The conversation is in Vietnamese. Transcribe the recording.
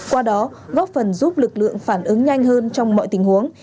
qua đó góp phần giúp lực lượng phản ứng nhanh hơn trong mọi tình huống